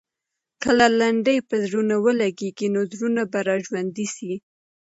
که لنډۍ پر زړونو ولګي، نو زړونه به راژوندي سي.